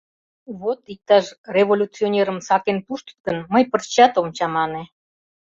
— Вот иктаж революционерым сакен пуштыт гын, мый пырчат ом чамане.